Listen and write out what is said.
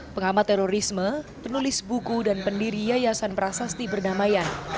pengamat terorisme penulis buku dan pendiri yayasan prasasti bernamaian